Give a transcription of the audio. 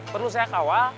perlu saya kawal